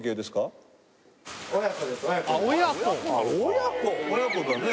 親子だね